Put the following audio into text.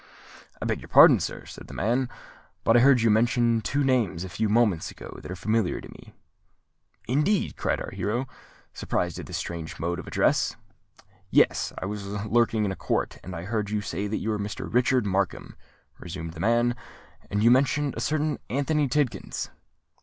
"I beg your pardon, sir," said the man; "but I heard you mention two names a few moments ago that are familiar to me." "Indeed!" cried our hero, surprised at this strange mode of address. "Yes:—I was lurking in a court, and I heard you say that you were Mr. Richard Markham," resumed the man: "and you mentioned a certain Anthony Tidkins."